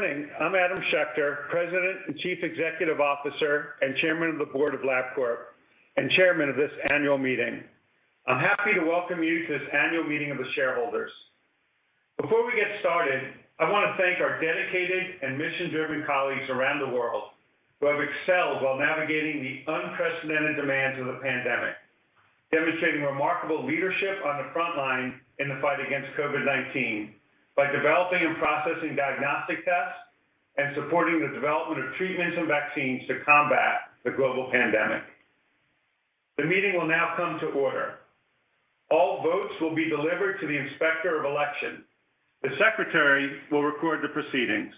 Morning, I'm Adam Schechter, President and Chief Executive Officer and Chairman of the Board of Labcorp, Chairman of this annual meeting. I'm happy to welcome you to this annual meeting of the shareholders. Before we get started, I want to thank our dedicated and mission-driven colleagues around the world who have excelled while navigating the unprecedented demands of the pandemic, demonstrating remarkable leadership on the front line in the fight against COVID-19 by developing and processing diagnostic tests and supporting the development of treatments and vaccines to combat the global pandemic. The meeting will now come to order. All votes will be delivered to the Inspector of Election. The Secretary will record the proceedings.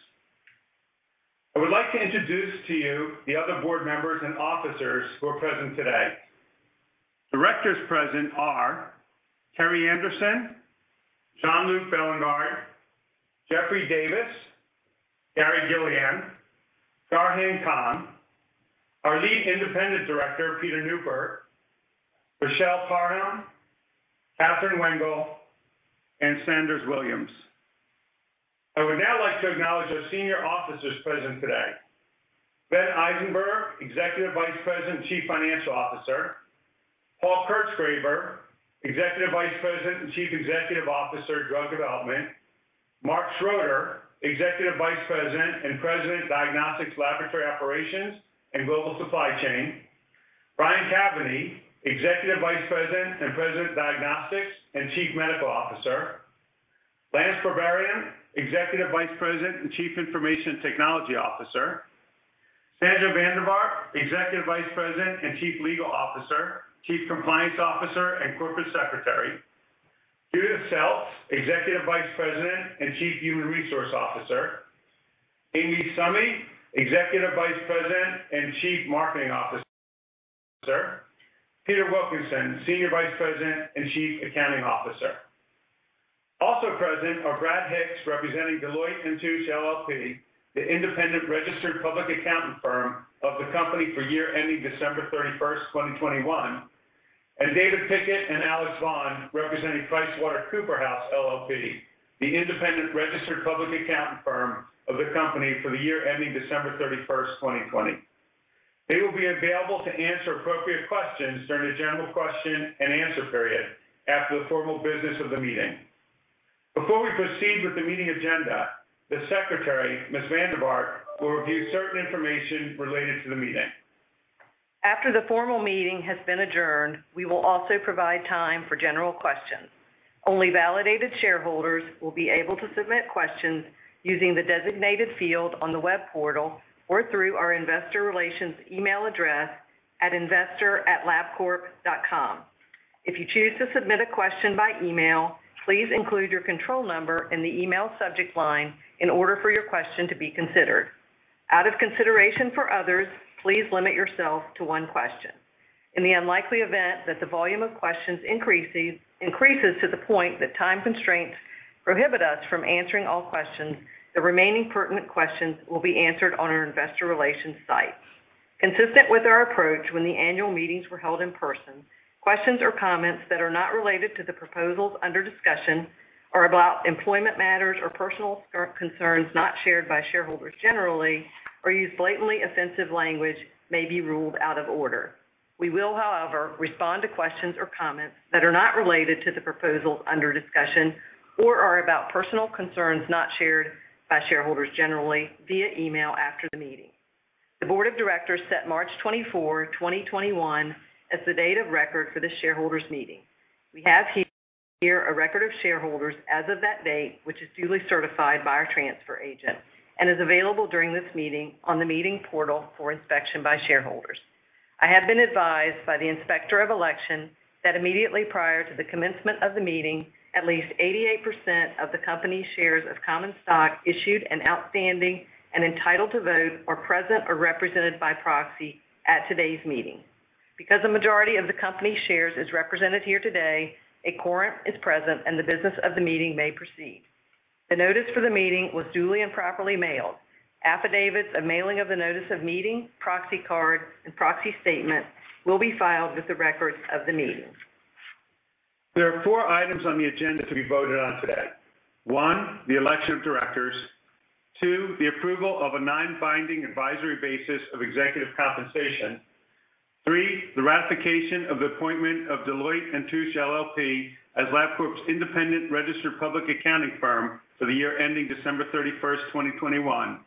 I would like to introduce to you the other board members and officers who are present today. Directors present are Kerrii Anderson, Jean-Luc Bélingard, Jeffrey Davis, Gary Gilliland, Garheng Kong, our Lead Independent Director, Peter Neupert, Richelle Parham, Kathryn Wengel, and Sanders Williams. I would now like to acknowledge our senior officers present today. Glenn Eisenberg, Executive Vice President and Chief Financial Officer. Paul Kirchgraber, Executive Vice President and Chief Executive Officer, Drug Development. Mark Schroeder, Executive Vice President and President, Diagnostics, Laboratory Operations and Global Supply Chain. Brian Caveney, Executive Vice President and President, Diagnostics and Chief Medical Officer. Lance Berberian, Executive Vice President and Chief Information Technology Officer. Sandra van der Vaart, Executive Vice President and Chief Legal Officer, Chief Compliance Officer, and Corporate Secretary. Judi Seltz, Executive Vice President and Chief Human Resource Officer. Amy Summy, Executive Vice President and Chief Marketing Officer. Peter Wilkinson, Senior Vice President and Chief Accounting Officer. Also present are Brad Hicks, representing Deloitte & Touche LLP, the independent registered public accounting firm of the company for year ending December 31st, 2021, and David Pickett and Alex Vaughan, representing PricewaterhouseCoopers LLP, the independent registered public accounting firm of the company for the year ending December 31st, 2020. They will be available to answer appropriate questions during the general question and answer period after the formal business of the meeting. Before we proceed with the meeting agenda, the secretary, Ms. van der Vaart, will review certain information related to the meeting. After the formal meeting has been adjourned, we will also provide time for general questions. Only validated shareholders will be able to submit questions using the designated field on the web portal or through our investor relations email address at investor@labcorp.com. If you choose to submit a question by email, please include your control number in the email subject line in order for your question to be considered. Out of consideration for others, please limit yourself to one question. In the unlikely event that the volume of questions increases to the point that time constraints prohibit us from answering all questions, the remaining pertinent questions will be answered on our investor relations site. Consistent with our approach when the annual meetings were held in person, questions or comments that are not related to the proposals under discussion are about employment matters or personal concerns not shared by shareholders generally or use blatantly offensive language may be ruled out of order. We will, however, respond to questions or comments that are not related to the proposals under discussion or are about personal concerns not shared by shareholders generally via email after the meeting. The board of directors set March 24, 2021, as the date of record for the shareholders' meeting. We have here a record of shareholders as of that date, which is duly certified by our transfer agent and is available during this meeting on the meeting portal for inspection by shareholders. I have been advised by the Inspector of Election that immediately prior to the commencement of the meeting, at least 88% of the company's shares of common stock issued and outstanding and entitled to vote are present or represented by proxy at today's meeting. Because the majority of the company's shares is represented here today, a quorum is present, and the business of the meeting may proceed. The notice for the meeting was duly and properly mailed. Affidavits of mailing of the notice of meeting, proxy card, and proxy statement will be filed with the records of the meeting. There are four items on the agenda to be voted on today. One, the election of directors. Two, the approval of a non-binding advisory basis of executive compensation. Three, the ratification of the appointment of Deloitte & Touche LLP as Labcorp's independent registered public accounting firm for the year ending December 31st, 2021.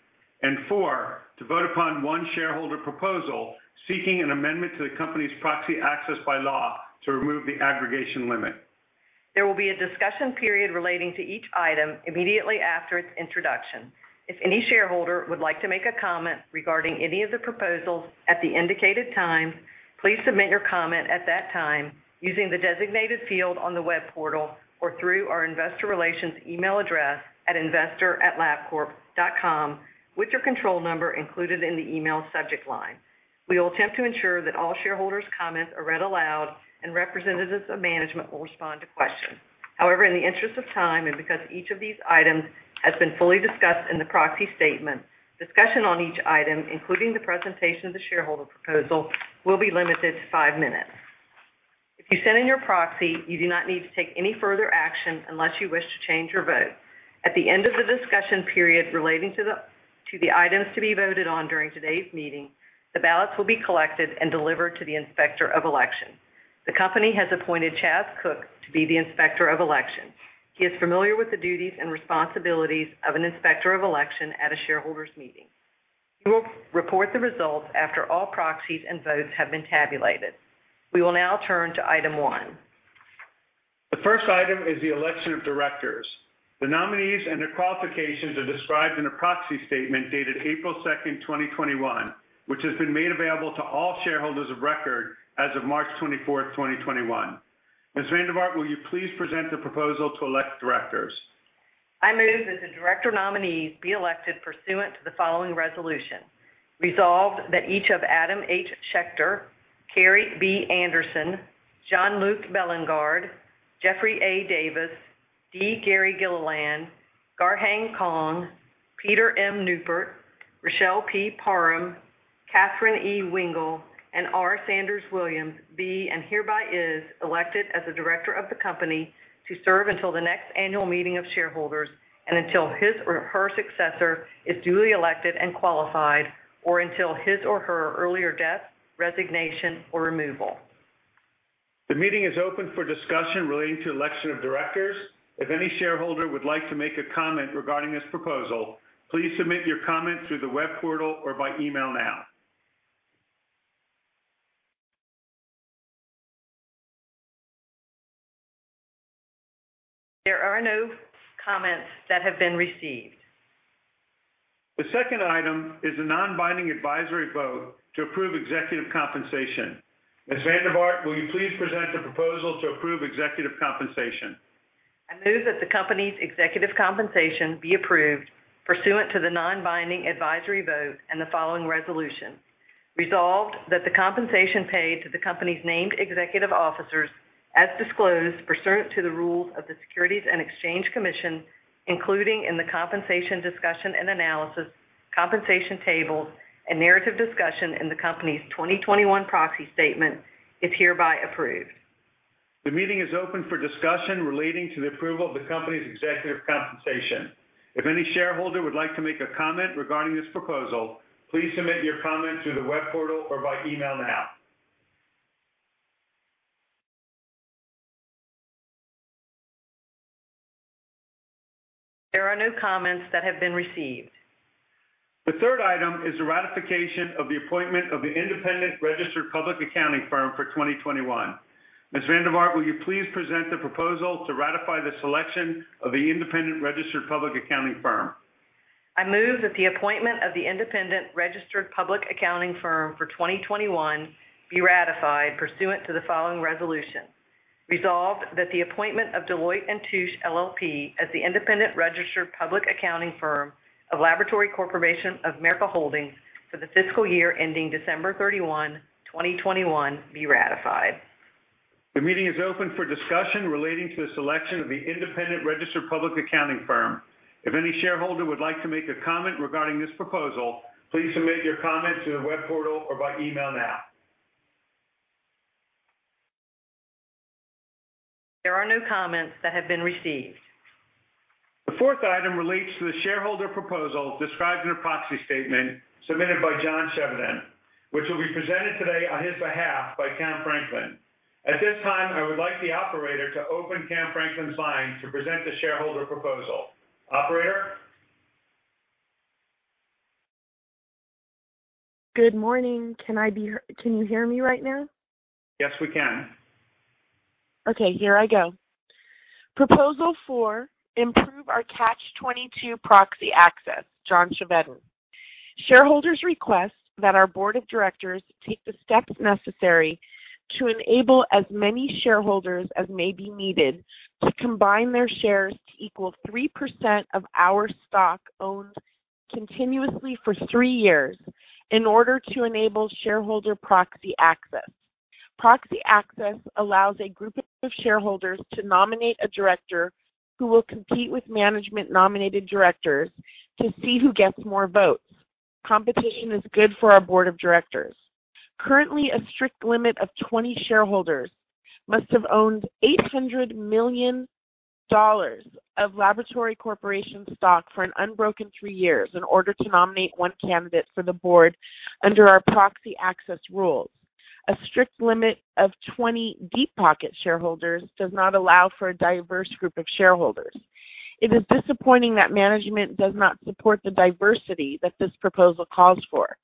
Four, to vote upon one shareholder proposal seeking an amendment to the company's proxy access bylaw to remove the aggregation limit. There will be a discussion period relating to each item immediately after its introduction. If any shareholder would like to make a comment regarding any of the proposals at the indicated time, please submit your comment at that time using the designated field on the web portal or through our investor relations email address at investor@labcorp.com with your control number included in the email subject line. We will attempt to ensure that all shareholders' comments are read aloud and representatives of management will respond to questions. However, in the interest of time, and because each of these items has been fully discussed in the proxy statement, discussion on each item, including the presentation of the shareholder proposal, will be limited to five minutes. If you send in your proxy, you do not need to take any further action unless you wish to change your vote. At the end of the discussion period relating to the items to be voted on during today's meeting, the ballots will be collected and delivered to the Inspector of Election. The company has appointed Chas Cook to be the Inspector of Election. He is familiar with the duties and responsibilities of an Inspector of Election at a shareholders' meeting. He will report the results after all proxies and votes have been tabulated. We will now turn to item one. The first item is the election of directors. The nominees and their qualifications are described in a proxy statement dated April 2nd, 2021, which has been made available to all shareholders of record as of March 24th, 2021. Ms. van der Vaart, will you please present the proposal to elect directors? I move that the director nominees be elected pursuant to the following resolution. Resolved that each of Adam H. Schechter, Kerrii B. Anderson, Jean-Luc Bélingard, Jeffrey A. Davis, D. Gary Gilliland, Garheng Kong, Peter M. Neupert, Richelle P. Parham, Kathryn E. Wengel, and R. Sanders Williams be and hereby is elected as a director of the company to serve until the next annual meeting of shareholders and until his or her successor is duly elected and qualified, or until his or her earlier death, resignation, or removal. The meeting is open for discussion relating to election of directors. If any shareholder would like to make a comment regarding this proposal, please submit your comment through the web portal or by email now. There are no comments that have been received. The second item is a non-binding advisory vote to approve executive compensation. Ms. van der Vaart, will you please present the proposal to approve executive compensation? I move that the company's executive compensation be approved pursuant to the non-binding advisory vote and the following resolution. Resolved that the compensation paid to the company's named executive officers, as disclosed pursuant to the rules of the Securities and Exchange Commission, including in the compensation discussion and analysis, compensation tables, and narrative discussion in the company's 2021 proxy statement, is hereby approved. The meeting is open for discussion relating to the approval of the company's executive compensation. If any shareholder would like to make a comment regarding this proposal, please submit your comment through the web portal or by email now. There are no comments that have been received. The third item is the ratification of the appointment of the independent registered public accounting firm for 2021. Ms. van der Vaart, will you please present the proposal to ratify the selection of the independent registered public accounting firm? I move that the appointment of the independent registered public accounting firm for 2021 be ratified pursuant to the following resolution. Resolved that the appointment of Deloitte & Touche LLP as the independent registered public accounting firm of Laboratory Corporation of America Holdings for the fiscal year ending December 31, 2021, be ratified. The meeting is open for discussion relating to the selection of the independent registered public accounting firm. If any shareholder would like to make a comment regarding this proposal, please submit your comment through the web portal or by email now. There are no comments that have been received. The fourth item relates to the shareholder proposal described in a proxy statement submitted by John Chevedden, which will be presented today on his behalf by Cam Franklin. At this time, I would like the operator to open Cam Franklin's line to present the shareholder proposal. Operator? Good morning. Can you hear me right now? Yes, we can. Okay, here I go. Proposal four, improve our Catch-22 proxy access, John Chevedden. Shareholders request that our board of directors take the steps necessary to enable as many shareholders as may be needed to combine their shares to equal 3% of our stock owned continuously for three years in order to enable shareholder proxy access. Proxy access allows a group of shareholders to nominate a director who will compete with management-nominated directors to see who gets more votes. Competition is good for our board of directors. Currently, a strict limit of 20 shareholders must have owned $800 million of Laboratory Corporation stock for an unbroken three years in order to nominate one candidate for the board under our proxy access rules. A strict limit of 20 deep-pocket shareholders does not allow for a diverse group of shareholders. It is disappointing that management does not support the diversity that this proposal calls for.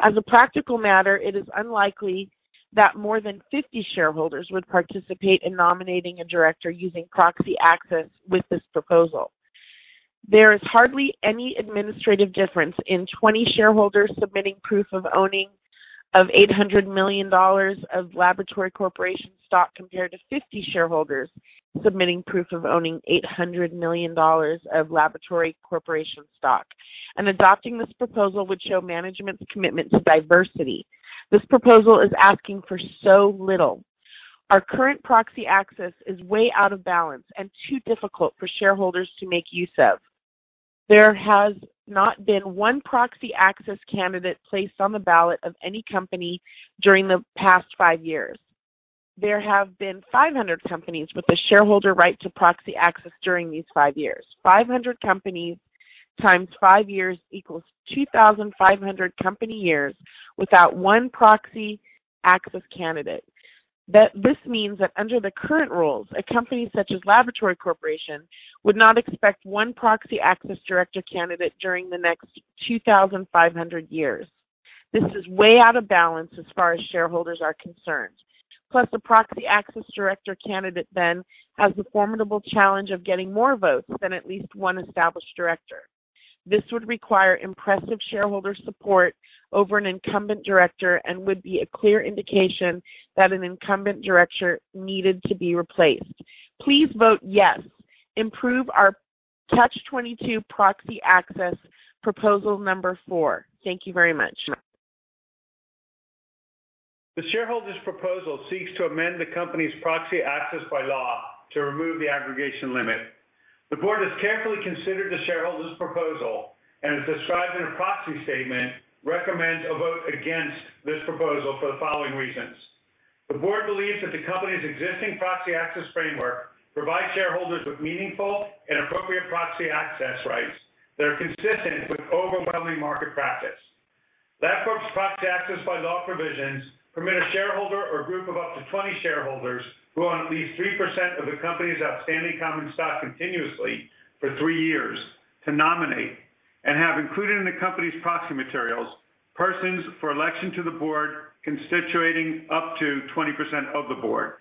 As a practical matter, it is unlikely that more than 50 shareholders would participate in nominating a director using proxy access with this proposal. There is hardly any administrative difference in 20 shareholders submitting proof of owning of $800 million of Laboratory Corporation stock compared to 50 shareholders submitting proof of owning $800 million of Laboratory Corporation stock, and adopting this proposal would show management's commitment to diversity. This proposal is asking for so little. Our current proxy access is way out of balance and too difficult for shareholders to make use of. There has not been one proxy access candidate placed on the ballot of any company during the past five years. There have been 500 companies with a shareholder right to proxy access during these five years. 500 companies times five years equals 2,500 company years without one proxy access candidate. This means that under the current rules, a company such as Laboratory Corporation would not expect one proxy access director candidate during the next 2,500 years. This is way out of balance as far as shareholders are concerned. A proxy access director candidate then has the formidable challenge of getting more votes than at least one established director. This would require impressive shareholder support over an incumbent director and would be a clear indication that an incumbent director needed to be replaced. Please vote yes. Improve our Catch-22 proxy access proposal number four. Thank you very much. The shareholder's proposal seeks to amend the company's proxy access by law to remove the aggregation limit. The board has carefully considered the shareholder's proposal, and as described in a proxy statement, recommends a vote against this proposal for the following reasons. The board believes that the company's existing proxy access framework provides shareholders with meaningful and appropriate proxy access rights that are consistent with overwhelming market practice. Labcorp's proxy access by law provisions permit a shareholder or group of up to 20 shareholders who own at least 3% of the company's outstanding common stock continuously for three years to nominate and have included in the company's proxy materials, persons for election to the board, constituting up to 20% of the board.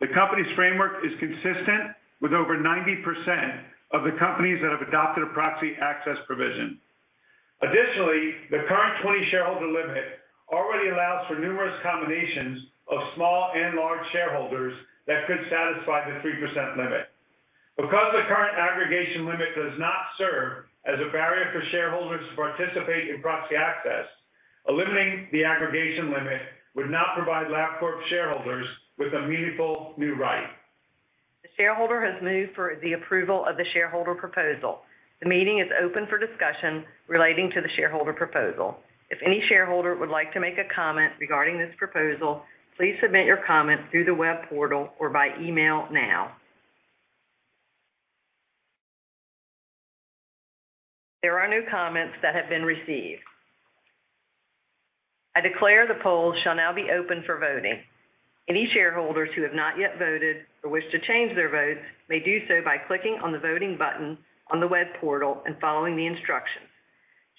The company's framework is consistent with over 90% of the companies that have adopted a proxy access provision. Additionally, the current 20 shareholder limit already allows for numerous combinations of small and large shareholders that could satisfy the 3% limit. Because the current aggregation limit does not serve as a barrier for shareholders to participate in proxy access, eliminating the aggregation limit would not provide Labcorp shareholders with a meaningful new right. The shareholder has moved for the approval of the shareholder proposal. The meeting is open for discussion relating to the shareholder proposal. If any shareholder would like to make a comment regarding this proposal, please submit your comment through the web portal or by email now. There are no comments that have been received. I declare the polls shall now be open for voting. Any shareholders who have not yet voted or wish to change their votes may do so by clicking on the voting button on the web portal and following the instructions.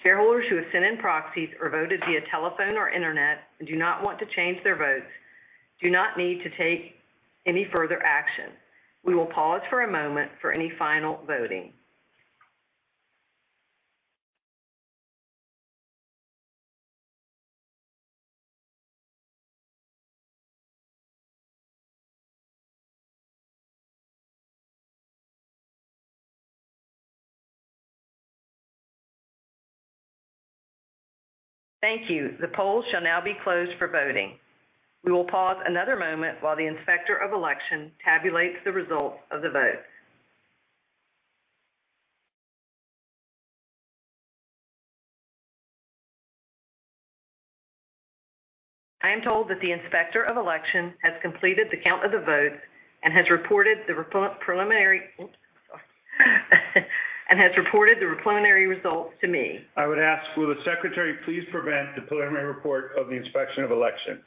Shareholders who have sent in proxies or voted via telephone or internet and do not want to change their votes do not need to take any further action. We will pause for a moment for any final voting. Thank you. The polls shall now be closed for voting. We will pause another moment while the Inspector of Election tabulates the results of the vote. I am told that the Inspector of Election has completed the count of the votes and has reported the preliminary results to me. I would ask, will the Secretary please present the preliminary report of the Inspection of Election?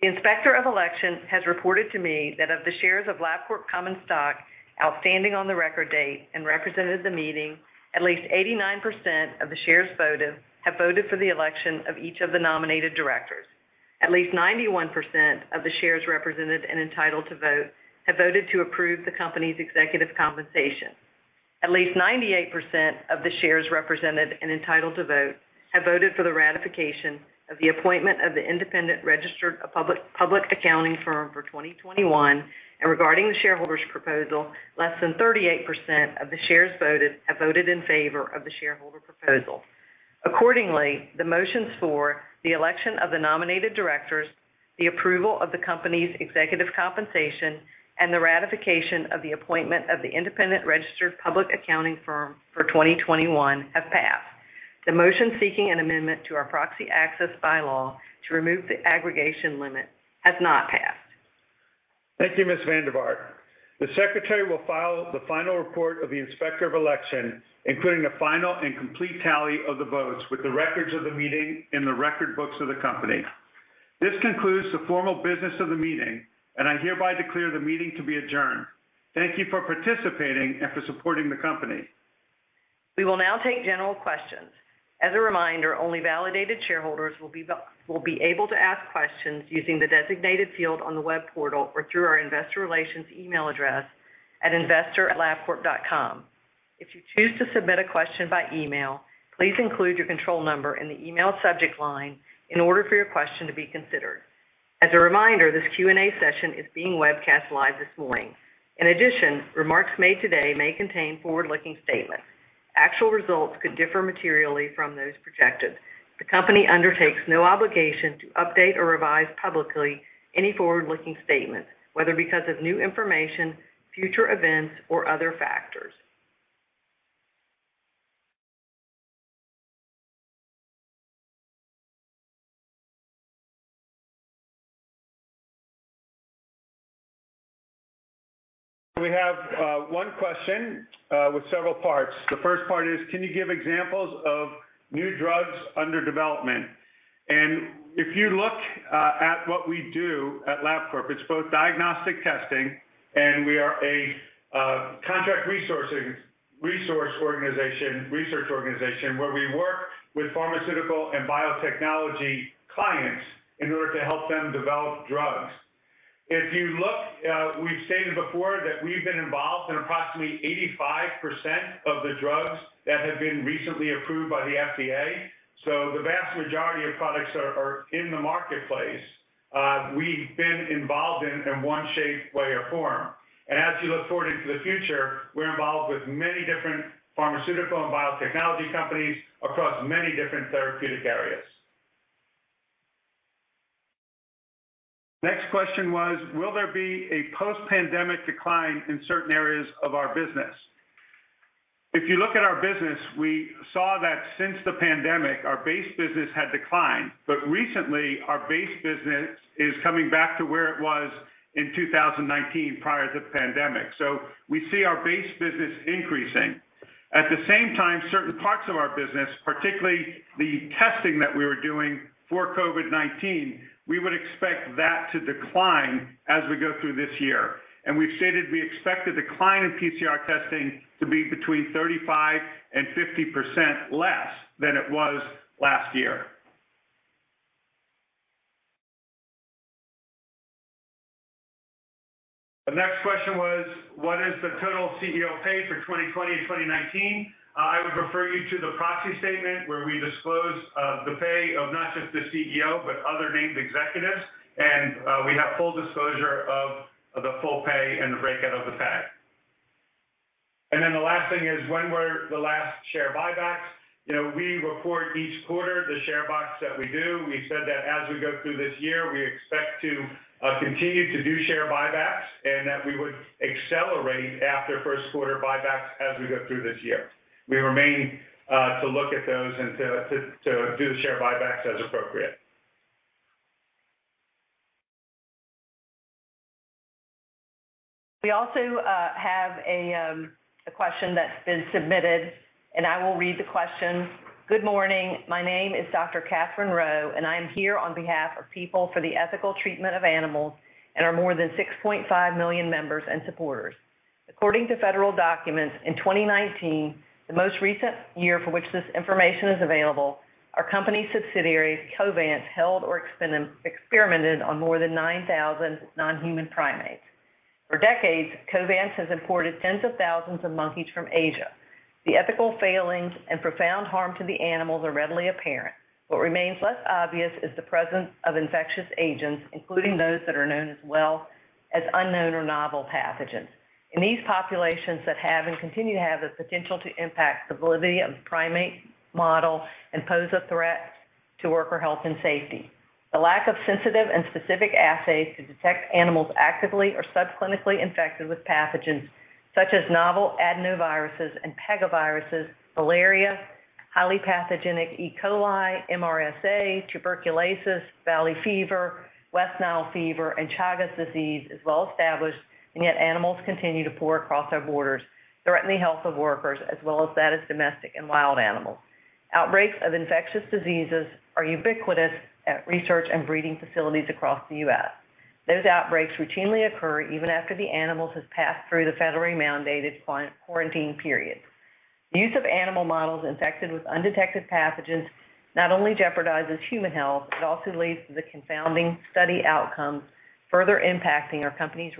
The Inspector of Election has reported to me that of the shares of Labcorp common stock outstanding on the record date and represented at the meeting, at least 89% of the shares voted have voted for the election of each of the nominated directors. At least 91% of the shares represented and entitled to vote have voted to approve the company's executive compensation. At least 98% of the shares represented and entitled to vote have voted for the ratification of the appointment of the independent registered public accounting firm for 2021. Regarding the shareholder proposal, less than 38% of the shares voted have voted in favor of the shareholder proposal. Accordingly, the motions for the election of the nominated directors, the approval of the company's executive compensation, and the ratification of the appointment of the independent registered public accounting firm for 2021 have passed. The motion seeking an amendment to our proxy access bylaw to remove the aggregation limit has not passed. Thank you, Ms. van der Vaart. The Secretary will file the final report of the Inspector of Election, including the final and complete tally of the votes, with the records of the meeting in the record books of the company. This concludes the formal business of the meeting, and I hereby declare the meeting to be adjourned. Thank you for participating and for supporting the company. We will now take general questions. As a reminder, only validated shareholders will be able to ask questions using the designated field on the web portal or through our investor relations email address at investor@labcorp.com. If you choose to submit a question by email, please include your control number in the email subject line in order for your question to be considered. As a reminder, this Q&A session is being webcast live this morning. In addition, remarks made today may contain forward-looking statements. Actual results could differ materially from those projected. The company undertakes no obligation to update or revise publicly any forward-looking statement, whether because of new information, future events, or other factors. We have one question with several parts. The first part is, "Can you give examples of new drugs under development?" If you look at what we do at Labcorp, it's both diagnostic testing, and we are a contract research organization, where we work with pharmaceutical and biotechnology clients in order to help them develop drugs. If you look, we've stated before that we've been involved in approximately 85% of the drugs that have been recently approved by the FDA. The vast majority of products are in the marketplace, we've been involved in one shape, way, or form. As you look forward into the future, we're involved with many different pharmaceutical and biotechnology companies across many different therapeutic areas. Next question was, "Will there be a post-pandemic decline in certain areas of our business?" If you look at our business, we saw that since the pandemic, our base business had declined. Recently, our base business is coming back to where it was in 2019, prior to the pandemic. We see our base business increasing. At the same time, certain parts of our business, particularly the testing that we were doing for COVID-19, we would expect that to decline as we go through this year. We've stated we expect the decline in PCR testing to be between 35% and 50% less than it was last year. The next question was, "What is the total CEO pay for 2020 and 2019?" I would refer you to the proxy statement where we disclose the pay of not just the CEO, but other named executives, and we have full disclosure of the full pay and the breakout of the pay. The last thing is, "When were the last share buybacks?" We report each quarter the share buybacks that we do. We've said that as we go through this year, we expect to continue to do share buybacks, and that we would accelerate after first quarter buybacks as we go through this year. We remain to look at those and to do the share buybacks as appropriate. We also have a question that's been submitted, and I will read the question. "Good morning. My name is Dr. Katherine Roe, and I am here on behalf of People for the Ethical Treatment of Animals and our more than 6.5 million members and supporters. According to federal documents, in 2019, the most recent year for which this information is available, our company subsidiary, Covance, held or experimented on more than 9,000 non-human primates. For decades, Covance has imported tens of thousands of monkeys from Asia. The ethical failings and profound harm to the animals are readily apparent. What remains less obvious is the presence of infectious agents, including those that are known as well as unknown or novel pathogens. In these populations that have and continue to have the potential to impact the validity of the primate model and pose a threat to worker health and safety. The lack of sensitive and specific assays to detect animals actively or subclinically infected with pathogens such as novel adenoviruses and pegivirus, malaria, highly pathogenic E. coli, MRSA, tuberculosis, valley fever, West Nile fever, and Chagas disease is well established, and yet animals continue to pour across our borders, threatening the health of workers as well as that of domestic and wild animals. Outbreaks of infectious diseases are ubiquitous at research and breeding facilities across the U.S. Those outbreaks routinely occur even after the animals have passed through the federally mandated quarantine period. The use of animal models infected with undetected pathogens not only jeopardizes human health, it also leads to the confounding study outcomes, further impacting our company's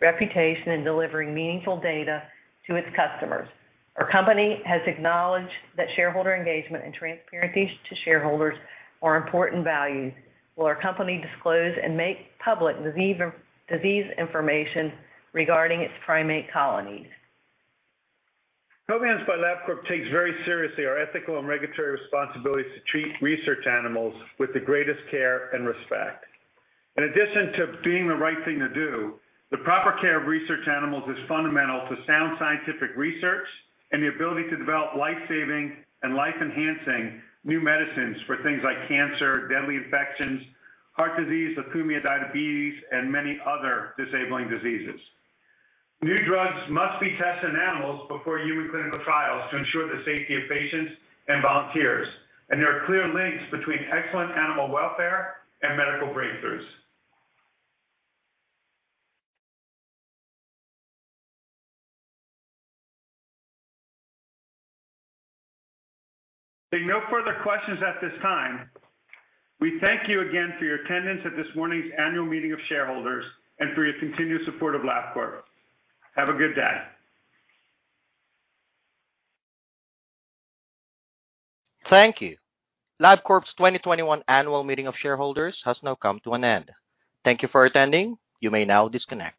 reputation in delivering meaningful data to its customers. Our company has acknowledged that shareholder engagement and transparency to shareholders are important values. Will our company disclose and make public disease information regarding its primate colonies? Covance by Labcorp takes very seriously our ethical and regulatory responsibilities to treat research animals with the greatest care and respect. In addition to being the right thing to do, the proper care of research animals is fundamental to sound scientific research and the ability to develop life-saving and life-enhancing new medicines for things like cancer, deadly infections, heart disease, leukemia, diabetes, and many other disabling diseases. New drugs must be tested in animals before human clinical trials to ensure the safety of patients and volunteers. There are clear links between excellent animal welfare and medical breakthroughs. Seeing no further questions at this time, we thank you again for your attendance at this morning's annual meeting of shareholders and for your continued support of Labcorp. Have a good day. Thank you. Labcorp's 2021 annual meeting of shareholders has now come to an end. Thank you for attending. You may now disconnect.